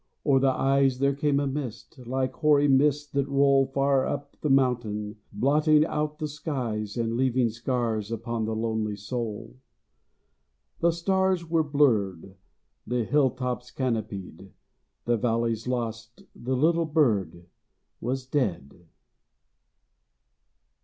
O'er the eyes There came a mist, like hoary mists that roll Far up the mountain, blotting out the skies And leaving scars upon the lonely soul; The stars were blurred, the hilltops canopied, The valleys lost, the little bird was dead.